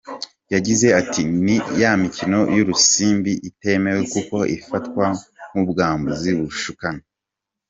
Yagize ati “ Ni ya mikino y’urusimbi itemewe kuko ifatwa nk’ubwambuzi bushukana.